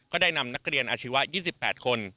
ได้นำนักเรียนอาชีวะ๒๘คน